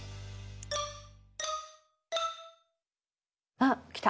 あっきた。